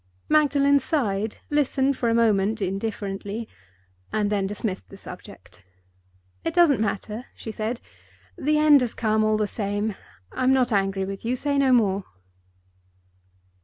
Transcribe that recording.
Magdalen sighed, listened for a moment indifferently, and then dismissed the subject. "It doesn't matter," she said. "The end has come all the same. I'm not angry with you. Say no more."